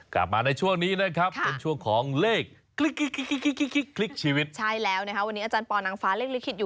กลับมาในช่วงนี้เท่าไหร่ครับค่ะช่วงของเลขคลิกชีวิตใช่แล้วนะชอบอาจารย์ป่อนางฟ้าเลขลิกขึ้นอยู่